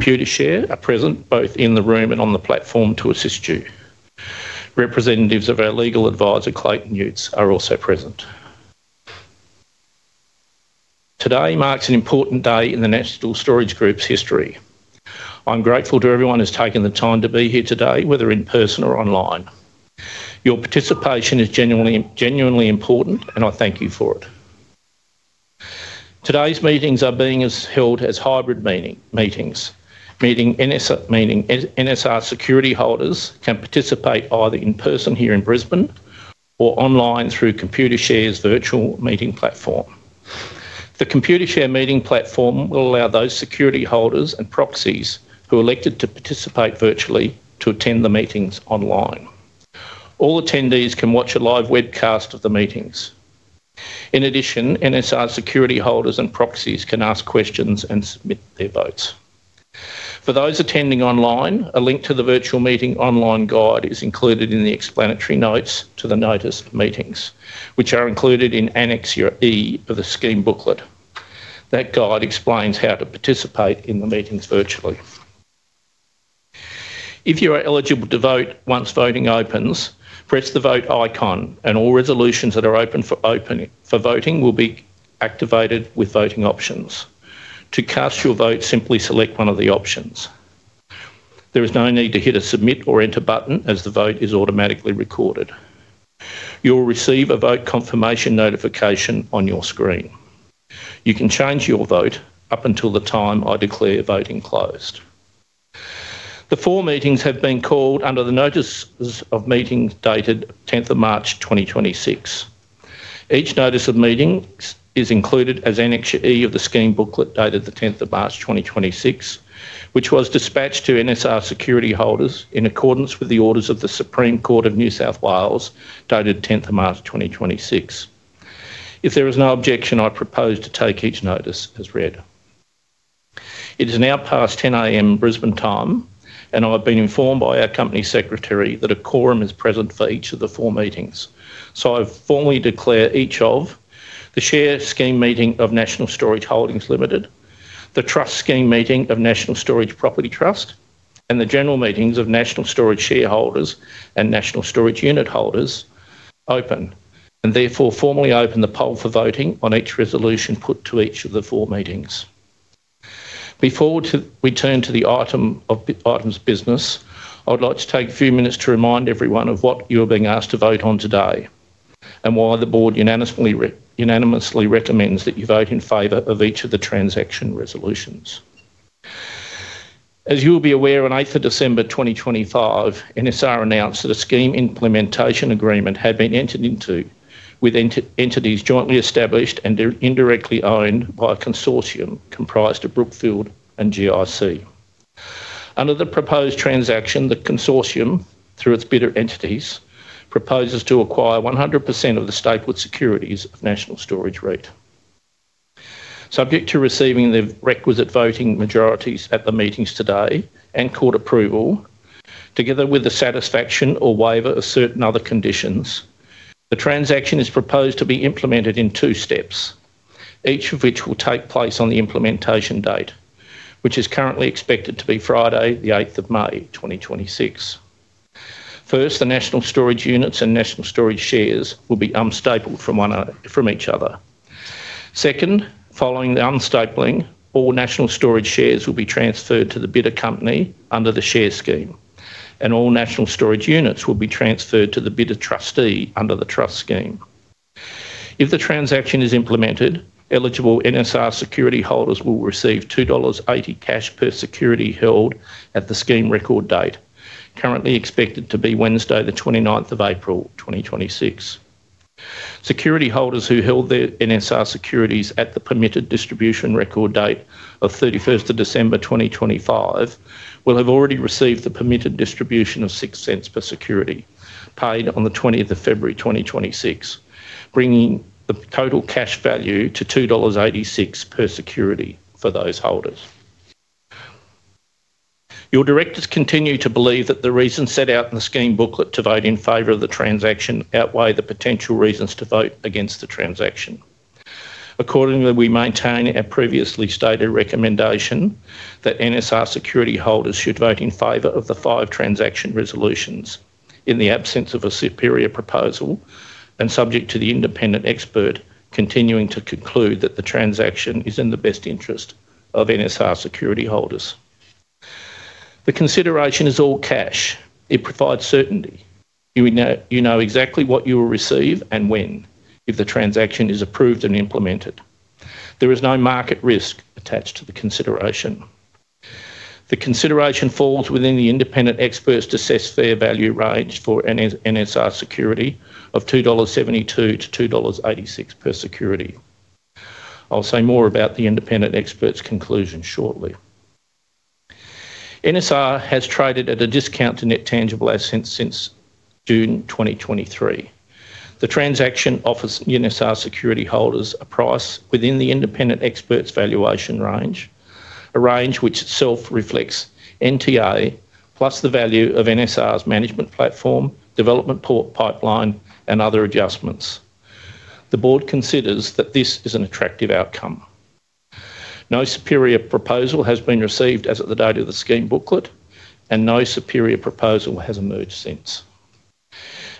Computershare are present both in the room and on the platform to assist you. Representatives of our legal advisor, Clayton Utz, are also present. Today marks an important day in the National Storage Group's history. I'm grateful to everyone who's taken the time to be here today, whether in person or online. Your participation is genuinely important, and I thank you for it. Today's meetings are being held as hybrid meetings, meaning NSR securityholders can participate either in person here in Brisbane or online through Computershare's virtual meeting platform. The Computershare meeting platform will allow those securityholders and proxies who elected to participate virtually to attend the meetings online. All attendees can watch a live webcast of the meetings. In addition, NSR securityholders and proxies can ask questions and submit their votes. For those attending online, a link to the virtual meeting online guide is included in the explanatory notes to the notice of meetings, which are included in Annexure E of the scheme booklet. That guide explains how to participate in the meetings virtually. If you are eligible to vote, once voting opens, press the vote icon, and all resolutions that are open for voting will be activated with voting options. To cast your vote, simply select one of the options. There is no need to hit a submit or enter button, as the vote is automatically recorded. You will receive a vote confirmation notification on your screen. You can change your vote up until the time I declare voting closed. The four meetings have been called under the notices of meetings dated March 10th, 2026. Each notice of meetings is included as Annexure E of the scheme booklet dated the March 10th, 2026, which was dispatched to NSR securityholders in accordance with the orders of the Supreme Court of New South Wales, dated March 10th, 2026. If there is no objection, I propose to take each notice as read. It is now past 10:00 A.M. Brisbane time, and I've been informed by our Company Secretary that a quorum is present for each of the four meetings. I formally declare each of the Share Scheme Meeting of National Storage Holdings Limited, the Trust Scheme Meeting of National Storage Property Trust, and the General Meetings of National Storage Shareholders and National Storage Unit Holders open, and therefore formally open the poll for voting on each resolution put to each of the four meetings. Before we turn to the items of business, I would like to take a few minutes to remind everyone of what you are being asked to vote on today and why the Board unanimously recommends that you vote in favor of each of the transaction resolutions. As you will be aware, on December 8th 2025, NSR announced that a Scheme Implementation Agreement had been entered into with entities jointly established and they're indirectly owned by a consortium comprised of Brookfield and GIC. Under the proposed transaction, the consortium, through its bidder entities, proposes to acquire 100% of the stapled securities of National Storage REIT. Subject to receiving the requisite voting majorities at the meetings today and court approval, together with the satisfaction or waiver of certain other conditions, the transaction is proposed to be implemented in two steps, each of which will take place on the implementation date, which is currently expected to be Friday, May 8th, 2026. First, the National Storage units and National Storage shares will be unstapled from each other. Second, following the unstapling, all National Storage shares will be transferred to the bidder company under the share scheme, and all National Storage units will be transferred to the bidder trustee under the trust scheme. If the transaction is implemented, eligible NSR securityholders will receive 2.80 dollars cash per security held at the scheme record date, currently expected to be Wednesday, April 29th, 2026. Securityholders who held their NSR securities at the permitted distribution record date of December 31st, 2025 will have already received the permitted distribution of 0.06 per security paid on the February 20th, 2026, bringing the total cash value to 2.86 dollars per security for those holders. Your Directors continue to believe that the reasons set out in the scheme booklet to vote in favor of the transaction outweigh the potential reasons to vote against the transaction. Accordingly, we maintain our previously stated recommendation that NSR securityholders should vote in favor of the five transaction resolutions in the absence of a superior proposal and subject to the independent expert continuing to conclude that the transaction is in the best interest of NSR securityholders. The consideration is all cash. It provides certainty. You know exactly what you will receive and when if the transaction is approved and implemented. There is no market risk attached to the consideration. The consideration falls within the independent expert's assessed fair value range for NSR security of AUD 2.72-AUD 2.86 per security. I'll say more about the independent expert's conclusion shortly. NSR has traded at a discount to net tangible assets since June 2023. The transaction offers NSR securityholders a price within the independent expert's valuation range, a range which itself reflects NTA plus the value of NSR's management platform, development pipeline, and other adjustments. The Board considers that this is an attractive outcome. No superior proposal has been received as of the date of the scheme booklet, and no superior proposal has emerged since.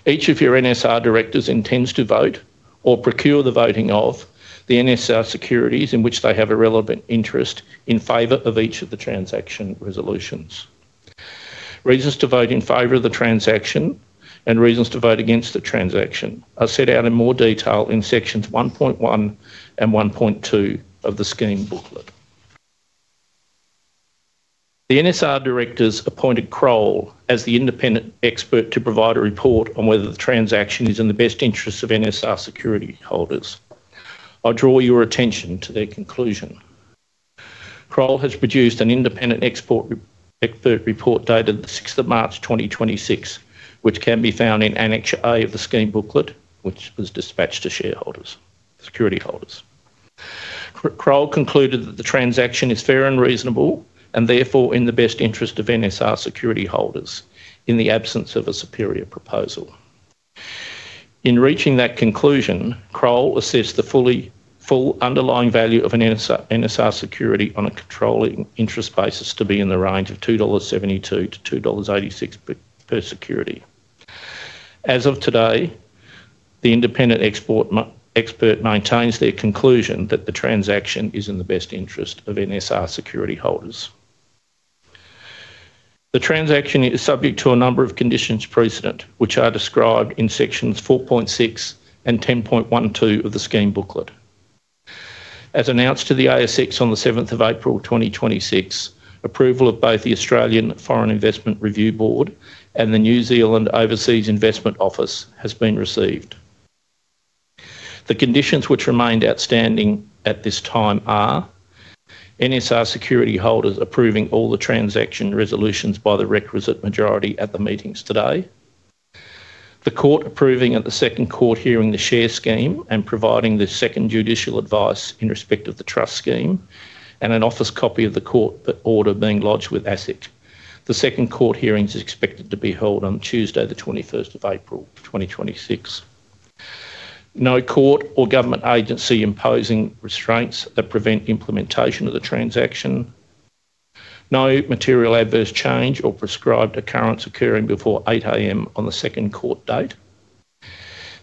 Each of your NSR Directors intends to vote or procure the voting of the NSR securities in which they have a relevant interest in favor of each of the Transaction Resolutions. Reasons to vote in favor of the transaction and reasons to vote against the transaction are set out in more detail in Sections 1.1 and 1.2 of the scheme booklet. The NSR Directors appointed Kroll as the Independent Expert to provide a report on whether the transaction is in the best interest of NSR securityholders. I'll draw your attention to their conclusion. Kroll has produced an Independent Expert report dated the March 6th, 2026, which can be found in Annex A of the scheme booklet, which was dispatched to securityholders. Kroll concluded that the transaction is fair and reasonable and therefore in the best interest of NSR securityholders in the absence of a superior proposal. In reaching that conclusion, Kroll assessed the full underlying value of an NSR security on a controlling interest basis to be in the range of 2.72-2.86 dollars per security. As of today, the Independent Expert maintains their conclusion that the transaction is in the best interest of NSR securityholders. The transaction is subject to a number of conditions precedent, which are described in Sections 4.6 and 10.12 of the scheme booklet. As announced to the ASX on the April 7th, 2026, approval of both the Australian Foreign Investment Review Board and the New Zealand Overseas Investment Office has been received. The conditions which remained outstanding at this time are NSR securityholders approving all the transaction resolutions by the requisite majority at the meetings today, the court approving at the second court hearing the share scheme and providing the second judicial advice in respect of the trust scheme, and an office copy of the court order being lodged with ASIC. The second court hearing is expected to be held on Tuesday, April 21st, 2026. No court or government agency imposing restraints that prevent implementation of the transaction, no material adverse change or proscribed occurrence occurring before 8:00 A.M. on the second court date,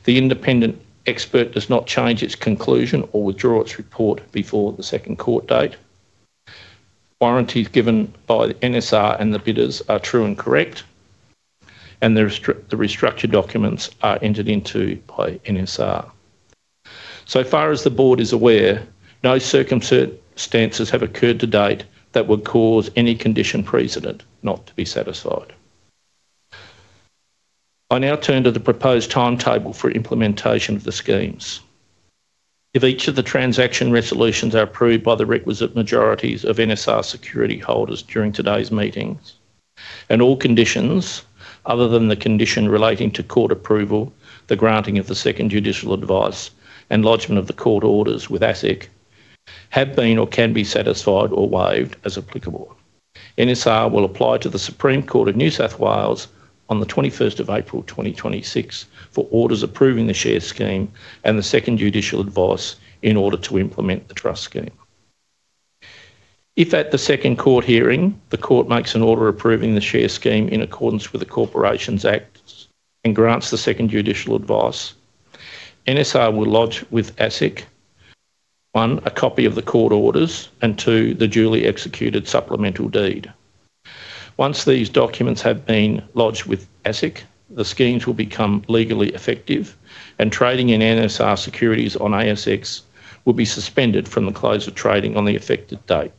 the independent expert does not change its conclusion or withdraw its report before the second court date, warranties given by the NSR and the bidders are true and correct, and the restructure documents are entered into by NSR. Far as the Board is aware, no circumstances have occurred to date that would cause any condition precedent not to be satisfied. I now turn to the proposed timetable for implementation of the schemes. If each of the transaction resolutions are approved by the requisite majorities of NSR securityholders during today's meetings and all conditions, other than the condition relating to court approval, the granting of the second judicial advice, and lodgment of the court orders with ASIC have been or can be satisfied or waived as applicable, NSR will apply to the Supreme Court of New South Wales on the April 21st, 2026 for orders approving the share scheme and the second judicial advice in order to implement the trust scheme. If at the second court hearing, the court makes an order approving the share scheme in accordance with the Corporations Act and grants the second judicial advice, NSR will lodge with ASIC, one, a copy of the court orders, and two, the duly executed supplemental deed. Once these documents have been lodged with ASIC, the schemes will become legally effective and trading in NSR securities on ASX will be suspended from the close of trading on the effective date,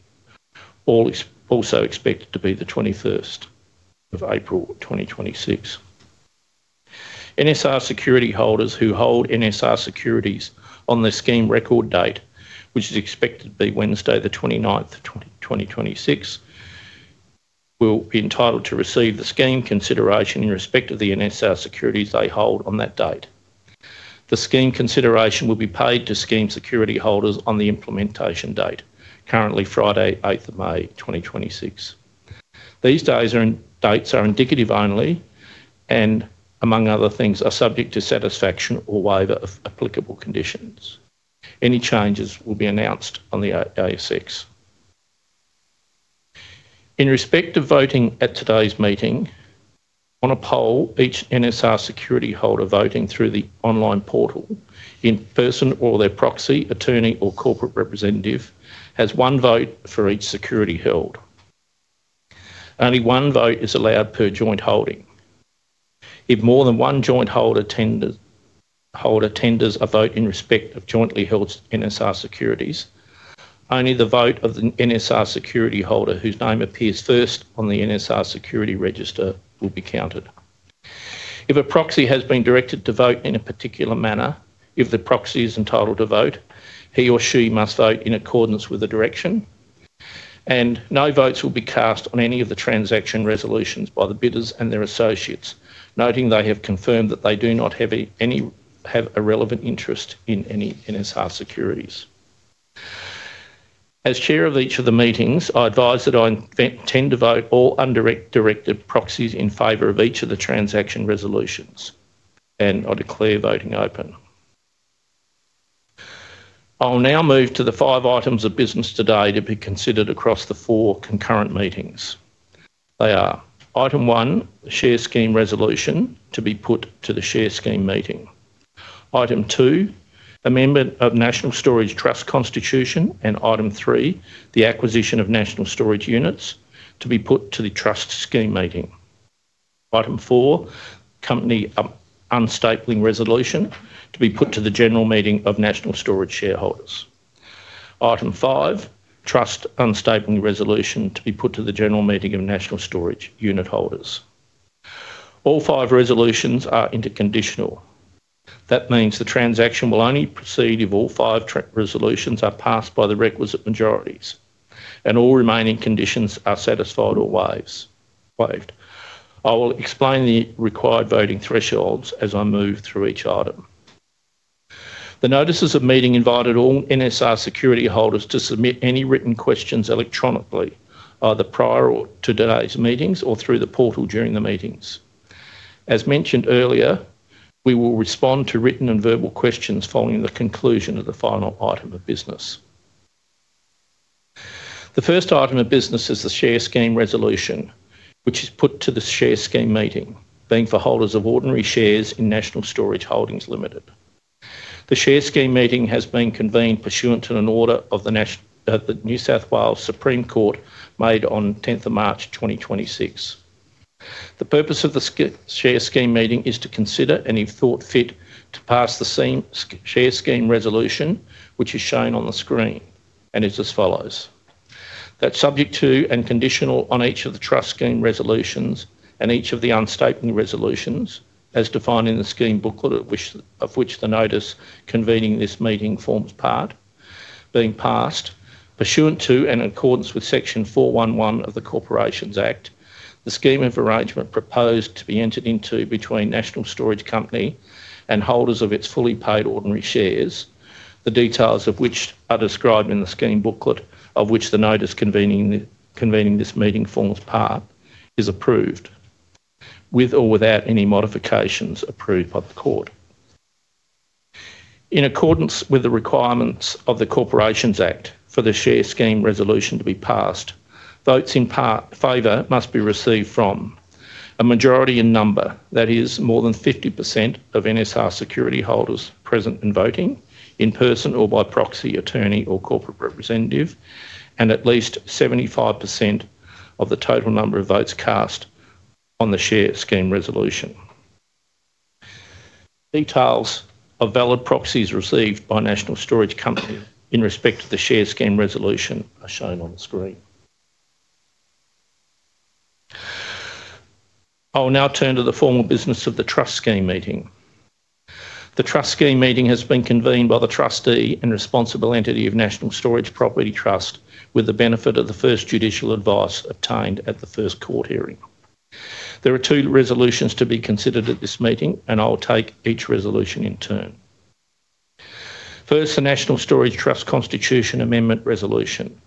also expected to be the April 21st, 2026. NSR securityholders who hold NSR securities on the scheme record date, which is expected to be Wednesday the 29th, 2026, will be entitled to receive the scheme consideration in respect of the NSR securities they hold on that date. The scheme consideration will be paid to scheme securityholders on the implementation date, currently Friday, May 8th, 2026. These dates are indicative only and, among other things, are subject to satisfaction or waiver of applicable conditions. Any changes will be announced on the ASX. In respect of voting at today's meeting, on a poll, each NSR securityholder voting through the online portal, in person or their proxy, attorney, or corporate representative, has one vote for each security held. Only one vote is allowed per joint holding. If more than one joint holder tenders a vote in respect of jointly held NSR securities, only the vote of the NSR securityholder whose name appears first on the NSR security register will be counted. If a proxy has been directed to vote in a particular manner, if the proxy is entitled to vote, he or she must vote in accordance with the direction, and no votes will be cast on any of the Transaction Resolutions by the bidders and their associates, noting they have confirmed that they do not have a relevant interest in any NSR securities. As Chair of each of the meetings, I advise that I intend to vote all undirected proxies in favor of each of the Transaction Resolutions, and I declare voting open. I'll now move to the five items of business today to be considered across the four concurrent meetings. They are Item one, Share Scheme Resolution to be put to the Share Scheme Meeting. Item two, amendment of National Storage Trust Constitution, and Item three, the acquisition of National Storage Units to be put to the Trust Scheme Meeting. Item four, Company Unstapling Resolution to be put to the General Meeting of National Storage Shareholders. Item five, Trust Unstapling Resolution to be put to the General Meeting of National Storage Unit Holders. All five resolutions are interconditional. That means the transaction will only proceed if all five resolutions are passed by the requisite majorities and all remaining conditions are satisfied or waived. I will explain the required voting thresholds as I move through each item. The Notices of Meeting invited all NSR securityholders to submit any written questions electronically, either prior to today's meetings or through the portal during the meetings. As mentioned earlier, we will respond to written and verbal questions following the conclusion of the final item of business. The first item of business is the share scheme resolution, which is put to the share scheme meeting, being for holders of ordinary shares in National Storage Holdings Limited. The share scheme meeting has been convened pursuant to an order of the New South Wales Supreme Court made on March 10th, 2026. The purpose of the share scheme meeting is to consider and, if thought fit, to pass the share scheme resolution, which is shown on the screen and is as follows. That subject to and conditional on each of the trust scheme resolutions and each of the unstapling resolutions, as defined in the scheme booklet of which the notice convening this meeting forms part, being passed pursuant to and in accordance with Section 411 of the Corporations Act, the scheme of arrangement proposed to be entered into between National Storage Company and holders of its fully paid ordinary shares, the details of which are described in the scheme booklet, of which the notice convening this meeting forms part, is approved with or without any modifications approved by the Court. In accordance with the requirements of the Corporations Act for the share scheme resolution to be passed, votes in favor must be received from a majority in number, that is, more than 50% of NSR securityholders present and voting in person or by proxy, attorney, or corporate representative, and at least 75% of the total number of votes cast on the share scheme resolution. Details of valid proxies received by National Storage Company in respect to the share scheme resolution are shown on the screen. I will now turn to the formal business of the trust scheme meeting. The trust scheme meeting has been convened by the trustee and responsible entity of National Storage Property Trust with the benefit of the first judicial advice obtained at the first court hearing. There are two resolutions to be considered at this meeting, and I will take each resolution in turn. First, the National Storage Trust Constitution Amendment Resolution.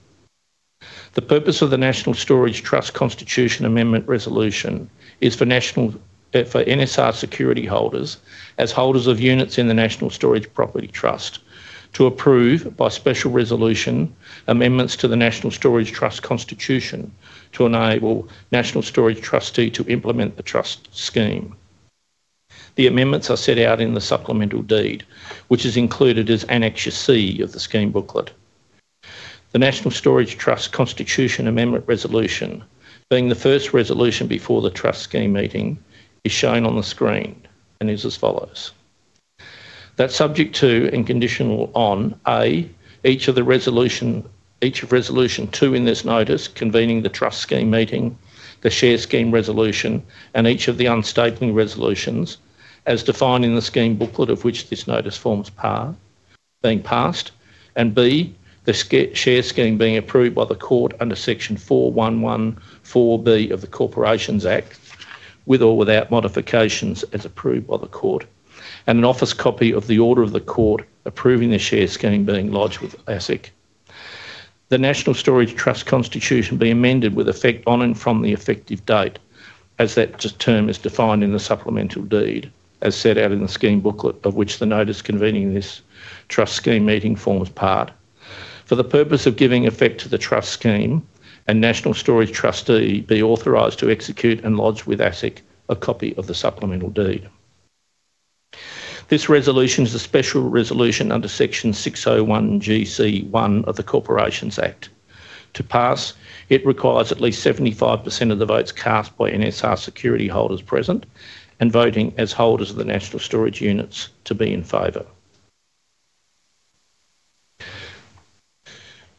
The purpose of the National Storage Trust Constitution Amendment Resolution is for NSR securityholders as holders of units in the National Storage Property Trust to approve by special resolution amendments to the National Storage Trust Constitution to enable National Storage Trustee to implement the trust scheme. The amendments are set out in the supplemental deed, which is included as Annexure C of the scheme booklet. The National Storage Trust Constitution Amendment Resolution, being the first resolution before the trust scheme meeting, is shown on the screen and is as follows. That subject to and conditional on, A, each of resolution two in this notice convening the trust scheme meeting, the share scheme resolution, and each of the unstapling resolutions as defined in the scheme booklet of which this notice forms part being passed. B, the share scheme being approved by the court under Section 411(4)(b) of the Corporations Act, with or without modifications as approved by the court, and an office copy of the order of the court approving the share scheme being lodged with ASIC. The National Storage Trust Constitution be amended with effect on and from the effective date as that term is defined in the supplemental deed, as set out in the scheme booklet of which the notice convening this trust scheme meeting forms part. For the purpose of giving effect to the trust scheme, a National Storage Trustee be authorized to execute and lodge with ASIC a copy of the supplemental deed. This resolution is a special resolution under Section 601GC(1) of the Corporations Act. To pass, it requires at least 75% of the votes cast by NSR securityholders present and voting as holders of the National Storage Units to be in favor.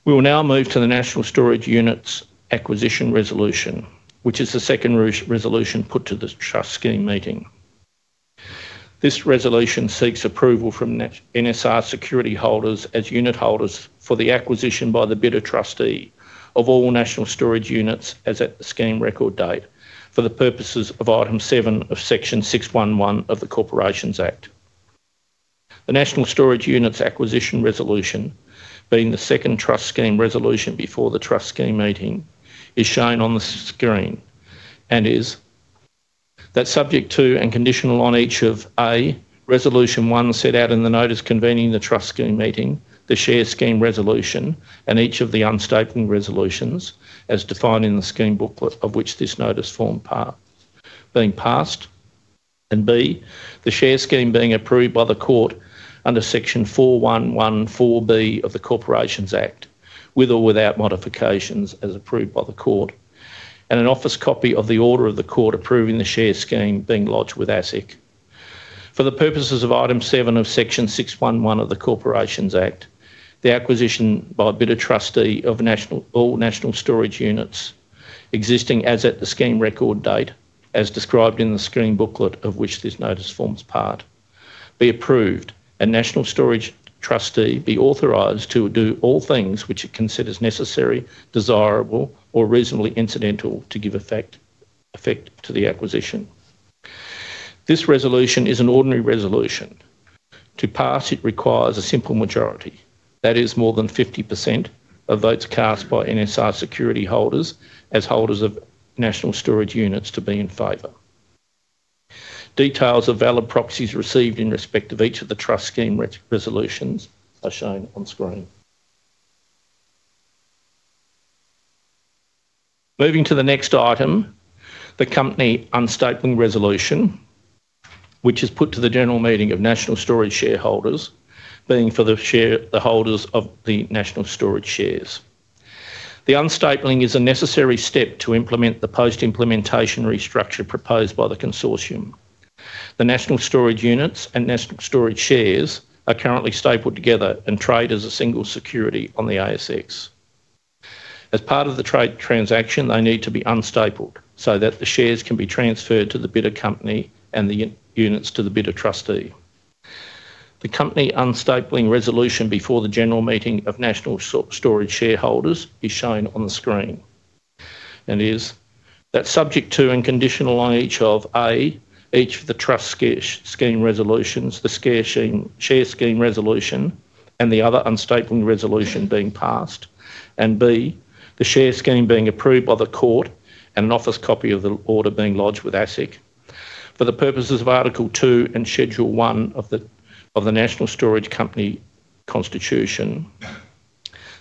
We will now move to the National Storage Units Acquisition Resolution, which is the second resolution put to the Trust Scheme Meeting. This resolution seeks approval from NSR securityholders as unitholders for the acquisition by the bidder trustee of all National Storage units as at the scheme record date for the purposes of Item 7 of Section 611 of the Corporations Act. The National Storage Units Acquisition Resolution, being the second trust scheme resolution before the trust scheme meeting, is shown on the screen and is that subject to and conditional on each of, A, Resolution One set out in the notice convening the trust scheme meeting, the share scheme resolution, and each of the unstapling resolutions as defined in the scheme booklet of which this notice forms part, being passed. B, the share scheme being approved by the court under Section 411(4)(b) of the Corporations Act, with or without modifications as approved by the court, and an office copy of the order of the court approving the share scheme being lodged with ASIC. For the purposes of Item 7 of Section 611 of the Corporations Act, the acquisition by Bidder Trustee of all National Storage Units existing as at the scheme record date, as described in the scheme booklet of which this notice forms part, be approved and National Storage Trustee be authorized to do all things which it considers necessary, desirable, or reasonably incidental to give effect to the acquisition. This resolution is an ordinary resolution. To pass, it requires a simple majority. That is more than 50% of votes cast by NSR securityholders as holders of National Storage Units to be in favor. Details of valid proxies received in respect of each of the trust scheme resolutions are shown on screen. Moving to the next item, the company unstapling resolution, which is put to the general meeting of National Storage shareholders, being for the holders of the National Storage shares. The unstapling is a necessary step to implement the post-implementation restructure proposed by the consortium. The National Storage Units and National Storage shares are currently stapled together and trade as a single security on the ASX. As part of the trade transaction, they need to be unstapled so that the shares can be transferred to the bidder company and the units to the bidder trustee. The company unstapling resolution before the general meeting of National Storage shareholders is shown on the screen and is that subject to and conditional on each of, A, each of the trust scheme resolutions, the share scheme resolution, and the other unstapling resolution being passed. B, the share scheme being approved by the court and an office copy of the order being lodged with ASIC for the purposes of Article 2 and Schedule 1 of the National Storage Company constitution.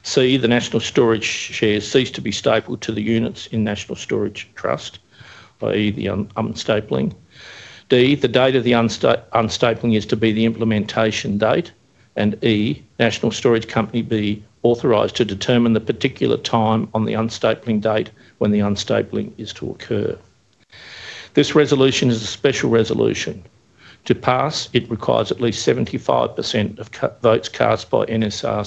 C, the National Storage shares cease to be stapled to the units in National Storage Trust by the unstapling. D, the date of the unstapling is to be the implementation date. E, National Storage Company be authorized to determine the particular time on the unstapling date when the unstapling is to occur. This resolution is a special resolution. To pass, it requires at least 75% of votes cast by NSR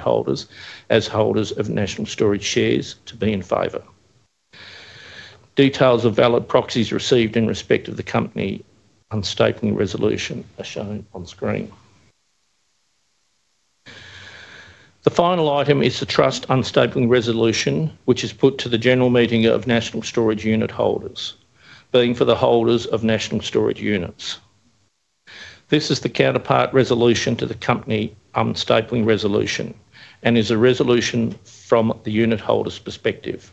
securityholders as holders of National Storage shares to be in favor. Details of valid proxies received in respect of the company unstapling resolution are shown on screen. The final item is the trust unstapling resolution, which is put to the general meeting of National Storage unitholders, being for the holders of National Storage units. This is the counterpart resolution to the company unstapling resolution and is a resolution from the unitholder's perspective.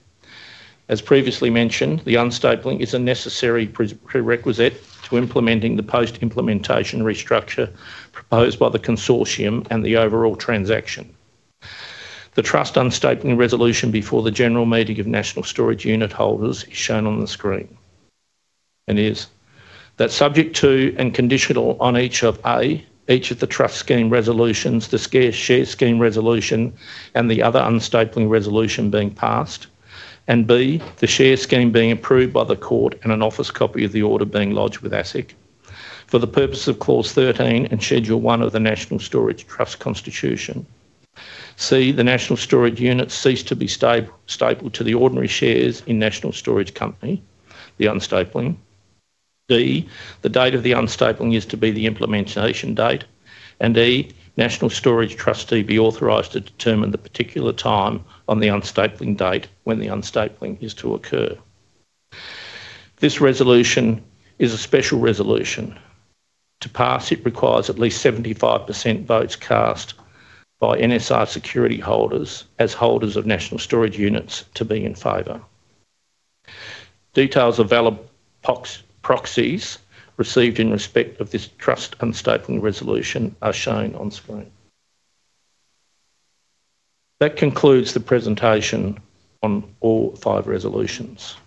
As previously mentioned, the unstapling is a necessary prerequisite to implementing the post-implementation restructure proposed by the consortium and the overall transaction. The trust unstapling resolution before the general meeting of National Storage unitholders is shown on the screen and is that subject to and conditional on each of, A, each of the trust scheme resolutions, the share scheme resolution, and the other unstapling resolution being passed. B, the share scheme being approved by the court and an office copy of the order being lodged with ASIC for the purpose of Clause 13 and Schedule 1 of the National Storage Trust Constitution. C, the National Storage units cease to be stapled to the ordinary shares in National Storage Company, the unstapling. D, the date of the unstapling is to be the implementation date. E, National Storage Trustee be authorized to determine the particular time on the unstapling date when the unstapling is to occur. This resolution is a special resolution. To pass, it requires at least 75% votes cast by NSR securityholders as holders of National Storage Units to be in favor. Details of valid proxies received in respect of this trust unstapling resolution are shown on screen. That concludes the presentation on all five resolutions.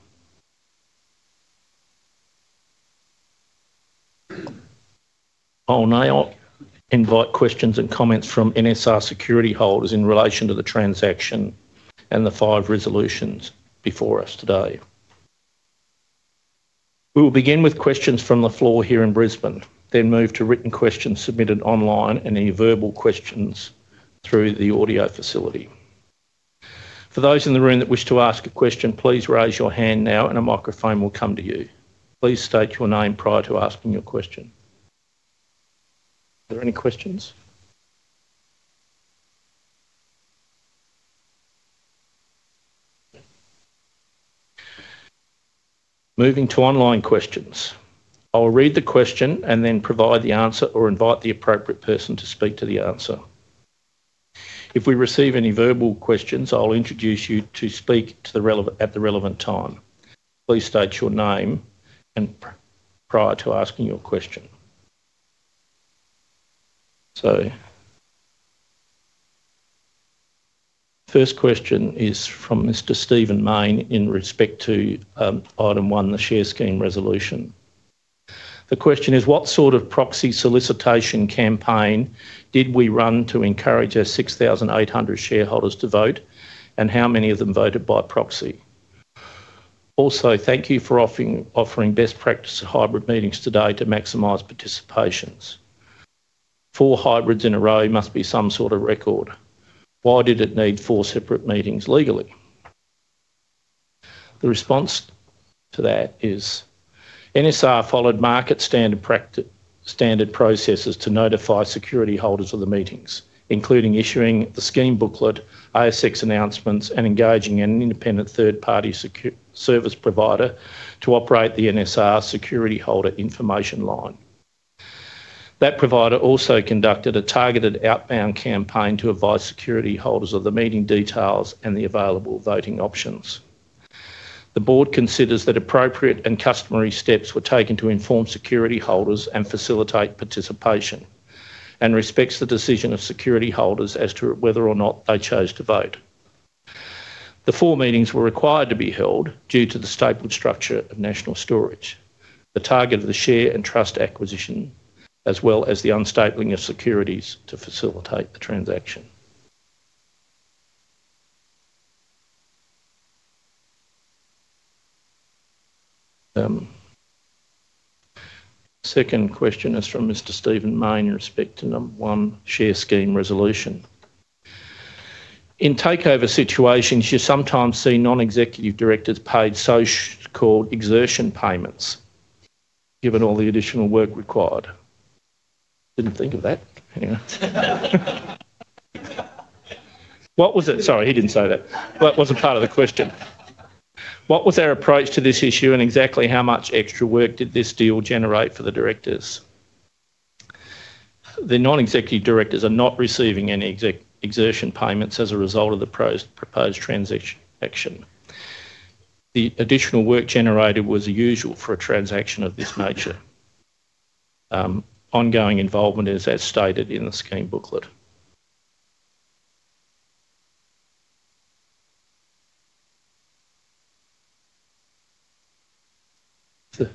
I'll now invite questions and comments from NSR securityholders in relation to the transaction and the five resolutions before us today. We will begin with questions from the floor here in Brisbane, then move to written questions submitted online and any verbal questions through the audio facility. For those in the room that wish to ask a question, please raise your hand now and a microphone will come to you. Please state your name prior to asking your question. Are there any questions? Moving to online questions. I will read the question and then provide the answer or invite the appropriate person to speak to the answer. If we receive any verbal questions, I will introduce you to speak at the relevant time. Please state your name prior to asking your question. First question is from Mr. Stephen Mayne in respect to item one, the share scheme resolution. The question is, what sort of proxy solicitation campaign did we run to encourage our 6,800 shareholders to vote, and how many of them voted by proxy? Also, thank you for offering best practice hybrid meetings today to maximize participations. Four hybrids in a row must be some sort of record. Why did it need four separate meetings legally? The response to that is NSR followed market-standard processes to notify securityholders of the meetings, including issuing the scheme booklet, ASX announcements, and engaging an independent third-party service provider to operate the NSR securityholder information line. That provider also conducted a targeted outbound campaign to advise securityholders of the meeting details and the available voting options. The Board considers that appropriate and customary steps were taken to inform securityholders and facilitate participation, and respects the decision of securityholders as to whether or not they chose to vote. The four meetings were required to be held due to the stapled structure of National Storage, the target of the share and trust acquisition, as well as the unstapling of securities to facilitate the transaction. Second question is from Mr. Stephen Mayne in respect to number one, share scheme resolution. In takeover situations, you sometimes see Non-Executive Directors paid so-called exertion payments, given all the additional work required. Didn't think of that. Anyway. Sorry, he didn't say that. That wasn't part of the question. What was our approach to this issue, and exactly how much extra work did this deal generate for the Directors? The Non-Executive Directors are not receiving any exertion payments as a result of the proposed transaction. The additional work generated was usual for a transaction of this nature. Ongoing involvement is as stated in the scheme booklet.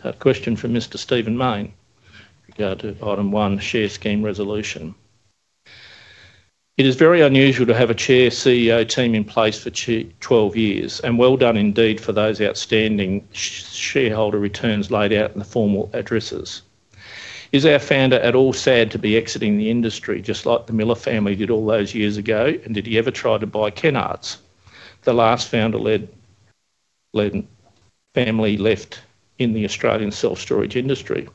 A question from Mr. Stephen Mayne regard to Item one, Share Scheme Resolution. It is very unusual to have a Chair CEO team in place for 12 years, and well done indeed for those outstanding shareholder returns laid out in the formal addresses. Is our Founder at all sad to be exiting the industry, just like the Miller family did all those years ago? Did he ever try to buy Kennards, the last Founder-led family left in the Australian self-storage industry?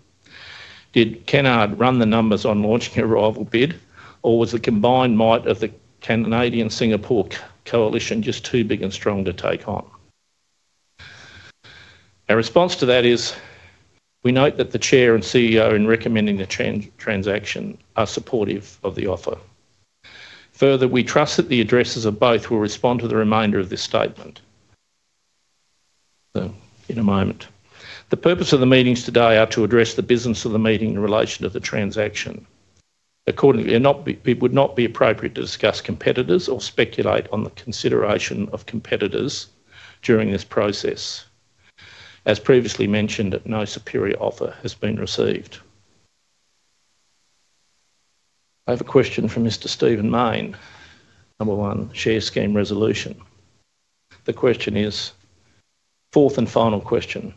Did Kennard run the numbers on launching a rival bid, or was the combined might of the Canadian-Singapore coalition just too big and strong to take on? Our response to that is we note that the Chair and CEO in recommending the transaction are supportive of the offer. Further, we trust that the addresses of both will respond to the remainder of this statement in a moment. The purpose of the meetings today are to address the business of the meeting in relation to the transaction. Accordingly, it would not be appropriate to discuss competitors or speculate on the consideration of competitors during this process. As previously mentioned, no superior offer has been received. I have a question from Mr. Stephen Mayne, number one, share scheme resolution. The question is, fourth and final question,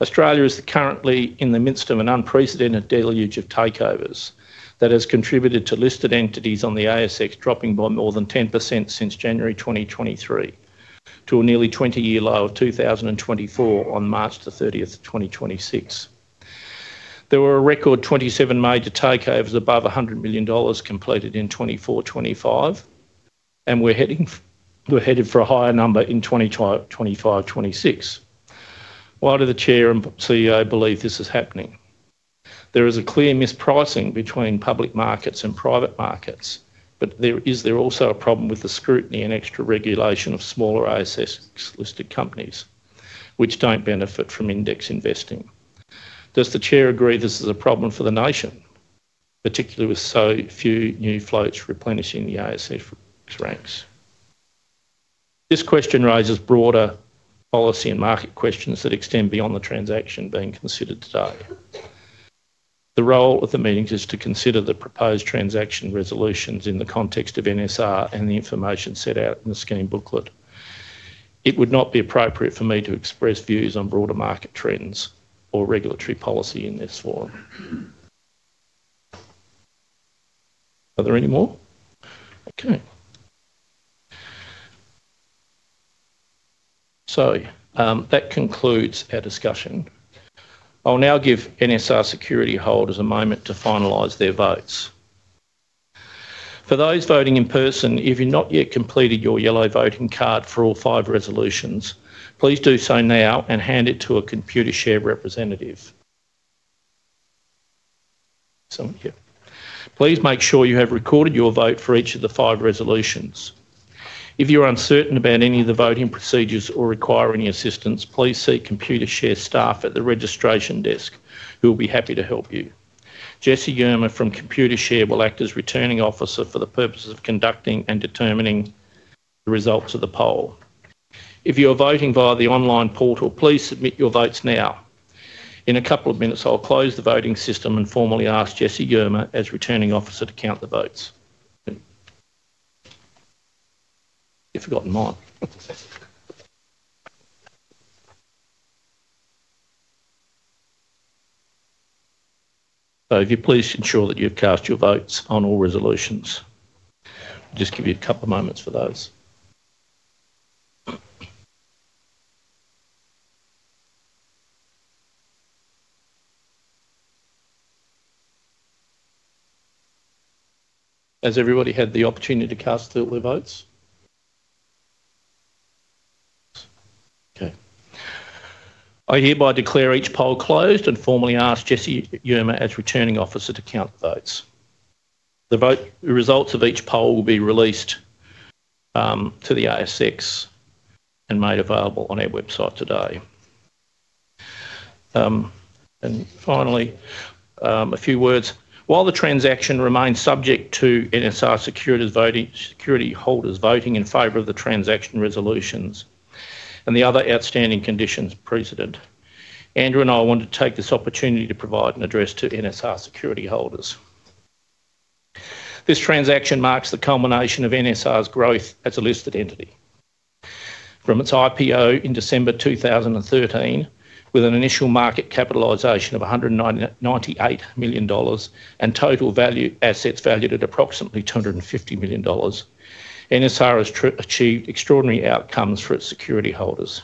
Australia is currently in the midst of an unprecedented deluge of takeovers that has contributed to listed entities on the ASX dropping by more than 10% since January 2023, to a nearly 20-year low of 2024 on March 30th, 2026. There were a record 27 major takeovers above 100 million dollars completed in 2024, 2025, and we're headed for a higher number in 2025, 2026. Why do the Chair and CEO believe this is happening? There is a clear mispricing between public markets and private markets. Is there also a problem with the scrutiny and extra regulation of smaller ASX-listed companies which don't benefit from index investing? Does the Chair agree this is a problem for the nation, particularly with so few new floats replenishing the ASX ranks? This question raises broader policy and market questions that extend beyond the transaction being considered today. The role of the meetings is to consider the proposed transaction resolutions in the context of NSR and the information set out in the scheme booklet. It would not be appropriate for me to express views on broader market trends or regulatory policy in this forum. Are there any more? Okay. That concludes our discussion. I'll now give NSR securityholders a moment to finalize their votes. For those voting in person, if you've not yet completed your yellow voting card for all five resolutions, please do so now and hand it to a Computershare representative. Someone here. Please make sure you have recorded your vote for each of the five resolutions. If you're uncertain about any of the voting procedures or require any assistance, please see Computershare staff at the registration desk who will be happy to help you. Jessie Yerma from Computershare will act as Returning Officer for the purposes of conducting and determining the results of the poll. If you are voting via the online portal, please submit your votes now. In a couple of minutes, I'll close the voting system and formally ask Jessie Yerma, as Returning Officer, to count the votes. You've forgotten mine. If you please ensure that you've cast your votes on all resolutions. Just give you a couple moments for those. Has everybody had the opportunity to cast their votes? Okay. I hereby declare each poll closed and formally ask Jessie Yerma, as Returning Officer, to count the votes. The results of each poll will be released to the ASX and made available on our website today. Finally, a few words. While the transaction remains subject to NSR securityholders voting in favor of the transaction resolutions and the other outstanding conditions precedent, Andrew and I want to take this opportunity to provide an address to NSR securityholders. This transaction marks the culmination of NSR's growth as a listed entity. From its IPO in December 2013, with an initial market capitalization of 198 million dollars and total value assets valued at approximately 250 million dollars, NSR has achieved extraordinary outcomes for its securityholders.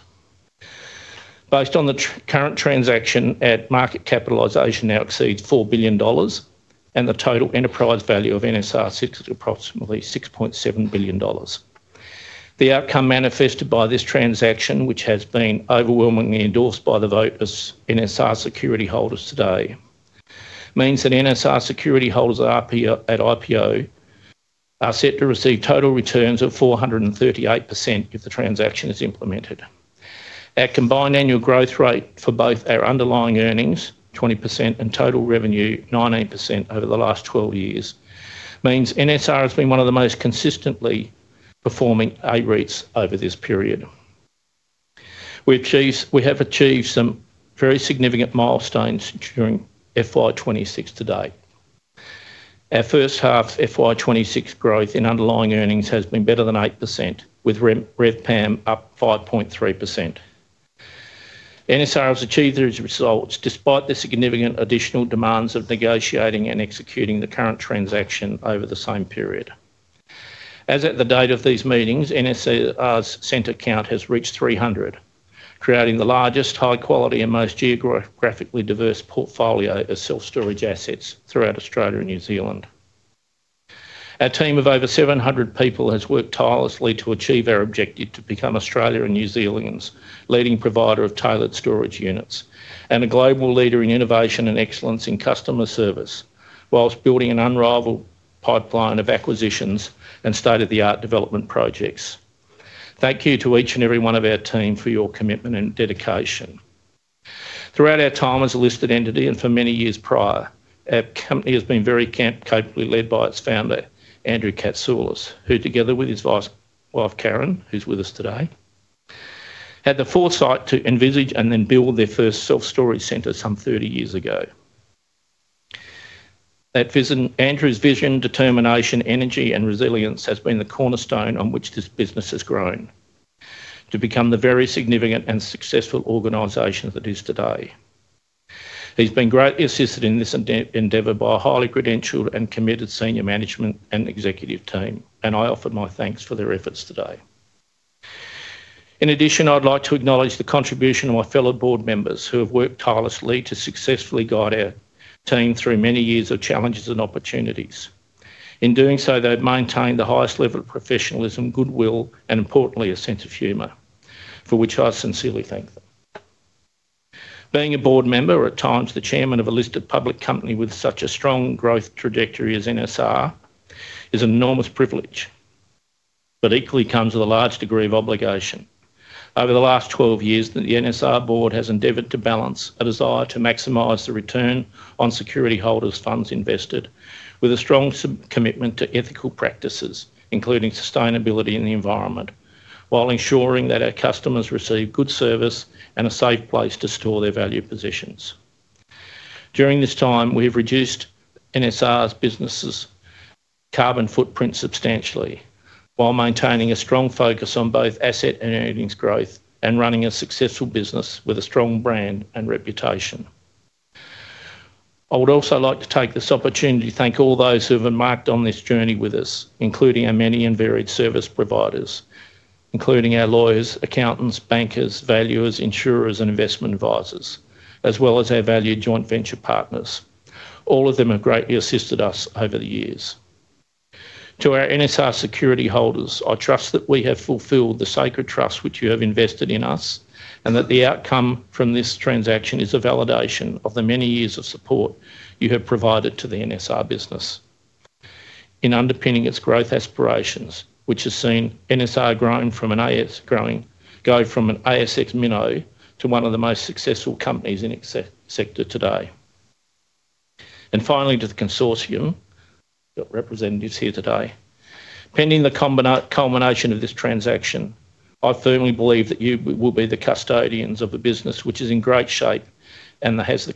Based on the current transaction, our market capitalization now exceeds 4 billion dollars, and the total enterprise value of NSR sits at approximately 6.7 billion dollars. The outcome manifested by this transaction, which has been overwhelmingly endorsed by the voters, NSR securityholders today, means that NSR securityholders at IPO are set to receive total returns of 438% if the transaction is implemented. Our combined annual growth rate for both our underlying earnings, 20%, and total revenue, 19%, over the last 12 years means NSR has been one of the most consistently performing AREITs over this period. We have achieved some very significant milestones during FY 2026 to date. Our first half FY 2026 growth in underlying earnings has been better than 8%, with REVPAM up 5.3%. NSR has achieved these results despite the significant additional demands of negotiating and executing the current transaction over the same period. As at the date of these meetings, NSR's center count has reached 300, creating the largest, high-quality, and most geographically diverse portfolio of self-storage assets throughout Australia and New Zealand. Our team of over 700 people has worked tirelessly to achieve our objective to become Australia and New Zealand's leading provider of tailored storage units, and a global leader in innovation and excellence in customer service, whilst building an unrivaled pipeline of acquisitions and state-of-the-art development projects. Thank you to each and every one of our team for your commitment and dedication. Throughout our time as a listed entity and for many years prior, our company has been very capably led by its Founder, Andrew Catsoulis, who together with his wife, Karen, who's with us today, had the foresight to envisage and then build their first self-storage center some 30 years ago. Andrew's vision, determination, energy, and resilience has been the cornerstone on which this business has grown to become the very significant and successful organization that it is today. He's been greatly assisted in this endeavor by a highly credentialed and committed Senior Management and Executive Team, and I offer my thanks for their efforts today. In addition, I'd like to acknowledge the contribution of my fellow Board members who have worked tirelessly to successfully guide our team through many years of challenges and opportunities. In doing so, they've maintained the highest level of professionalism, goodwill, and importantly, a sense of humor, for which I sincerely thank them. Being a Board member, or at times the Chairman of a listed public company with such a strong growth trajectory as NSR, is an enormous privilege, but equally comes with a large degree of obligation. Over the last 12 years, the NSR Board has endeavored to balance a desire to maximize the return on securityholders' funds invested with a strong commitment to ethical practices, including sustainability and the environment, while ensuring that our customers receive good service and a safe place to store their valued possessions. During this time, we have reduced NSR's business carbon footprint substantially while maintaining a strong focus on both asset and earnings growth and running a successful business with a strong brand and reputation. I would also like to take this opportunity to thank all those who have embarked on this journey with us, including our many and varied service providers, including our lawyers, accountants, bankers, valuers, insurers, and investment advisors, as well as our valued joint venture partners. All of them have greatly assisted us over the years. To our NSR securityholders, I trust that we have fulfilled the sacred trust which you have invested in us, and that the outcome from this transaction is a validation of the many years of support you have provided to the NSR business in underpinning its growth aspirations, which has seen NSR go from an ASX minnow to one of the most successful companies in its sector today. Finally, to the consortium, we've got representatives here today. Pending the culmination of this transaction, I firmly believe that you will be the custodians of the business, which is in great shape and has the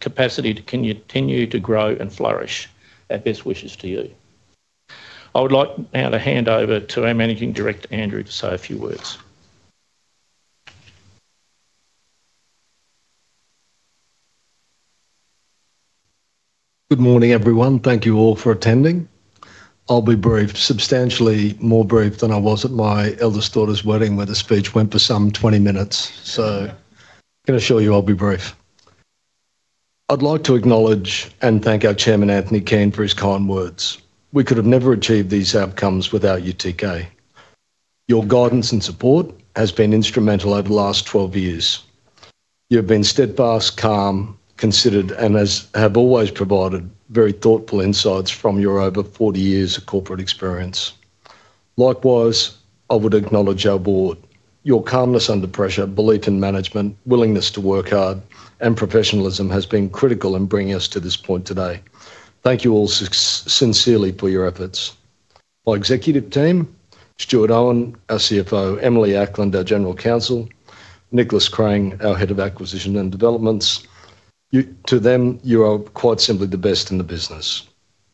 capacity to continue to grow and flourish. Our best wishes to you. I would like now to hand over to our Managing Director, Andrew, to say a few words. Good morning, everyone. Thank you all for attending. I'll be brief. Substantially more brief than I was at my eldest daughter's wedding, where the speech went for some 20 minutes, I can assure you I'll be brief. I'd like to acknowledge and thank our Chairman, Anthony Keane, for his kind words. We could have never achieved these outcomes without you, TK. Your guidance and support has been instrumental over the last 12 years. You have been steadfast, calm, considered, and have always provided very thoughtful insights from your over 40 years of corporate experience. Likewise, I would acknowledge our Board. Your calmness under pressure, belief in management, willingness to work hard, and professionalism has been critical in bringing us to this point today. Thank you all sincerely for your efforts. My Executive Team, Stuart Owen, our CFO, Emily Ackland, our General Counsel, Nicholas Crang, our Head of Acquisitions and Developments, to them, you are quite simply the best in the business.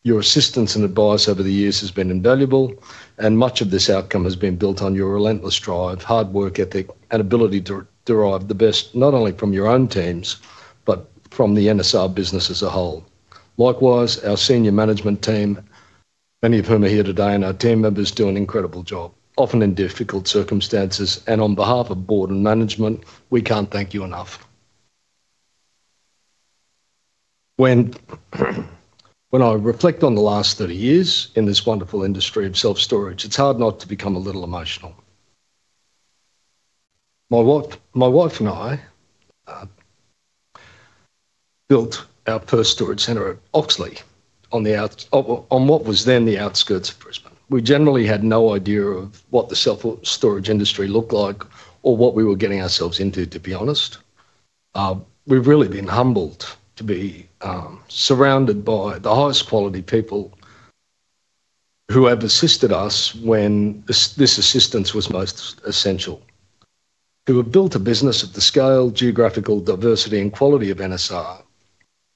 Your assistance and advice over the years has been invaluable. Much of this outcome has been built on your relentless drive, hard work ethic, and ability to derive the best, not only from your own teams, but from the NSR business as a whole. Likewise, our senior management team, many of whom are here today, and our team members do an incredible job, often in difficult circumstances. On behalf of Board and Management, we can't thank you enough. When I reflect on the last 30 years in this wonderful industry of self-storage, it's hard not to become a little emotional. My wife and I built our first storage center at Oxley on what was then the outskirts of Brisbane. We generally had no idea of what the self-storage industry looked like or what we were getting ourselves into, to be honest. We've really been humbled to be surrounded by the highest quality people who have assisted us when this assistance was most essential. To have built a business at the scale, geographical diversity, and quality of NSR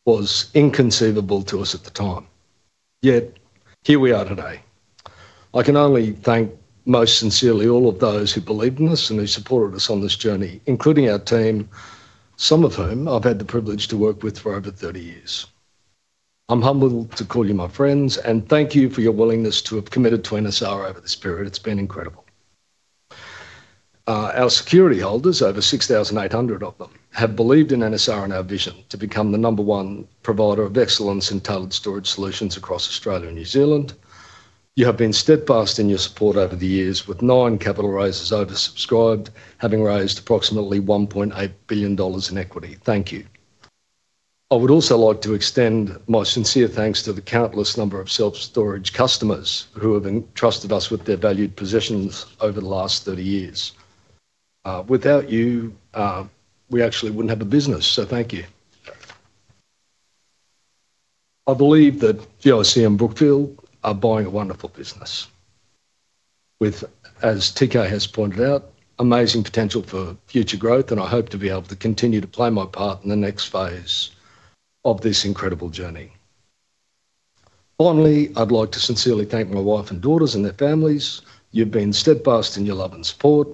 was inconceivable to us at the time. Yet here we are today. I can only thank most sincerely all of those who believed in us and who supported us on this journey, including our team, some of whom I've had the privilege to work with for over 30 years. I'm humbled to call you my friends, and thank you for your willingness to have committed to NSR over this period. It's been incredible. Our securityholders, over 6,800 of them, have believed in NSR and our vision to become the number one provider of excellence in tailored storage solutions across Australia and New Zealand. You have been steadfast in your support over the years, with nine capital raises oversubscribed, having raised approximately 1.8 billion dollars in equity. Thank you. I would also like to extend my sincere thanks to the countless number of self-storage customers who have entrusted us with their valued possessions over the last 30 years. Without you, we actually wouldn't have a business, so thank you. I believe that GIC and Brookfield are buying a wonderful business with, as TK has pointed out, amazing potential for future growth, and I hope to be able to continue to play my part in the next phase of this incredible journey. Finally, I'd like to sincerely thank my wife and daughters and their families. You've been steadfast in your love and support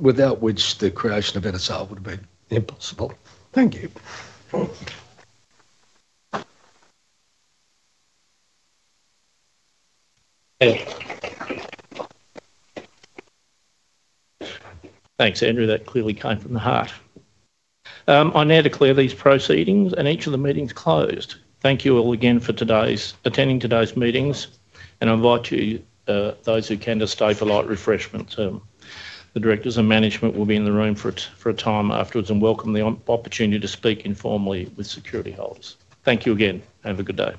without which the creation of NSR would have been impossible. Thank you. Thanks, Andrew. That clearly came from the heart. I now declare these proceedings and each of the meetings closed. Thank you all again for attending today's meetings and invite those who can to stay for light refreshments. The Directors and Management will be in the room for a time afterwards and welcome the opportunity to speak informally with securityholders. Thank you again. Have a good day.